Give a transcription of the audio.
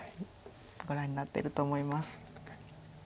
ご覧になってると思います。